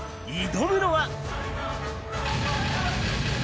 挑むのは。